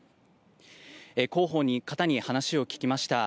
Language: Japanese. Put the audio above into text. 広報の方に話を聞きました。